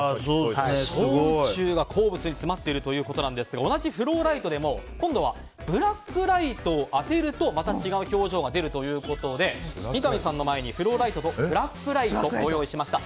小宇宙が鉱物に詰まっているということなんですが今度はブラックライトを当てるとまた違う表情が出るということで三上さんの前にフローライトとブラックライトをご用意しました。